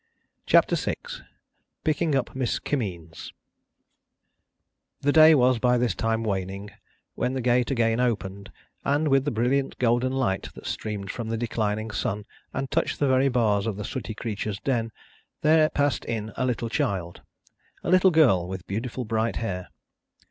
CHAPTER VI PICKING UP MISS KIMMEENS The day was by this time waning, when the gate again opened, and, with the brilliant golden light that streamed from the declining sun and touched the very bars of the sooty creature's den, there passed in a little child; a little girl with beautiful bright hair.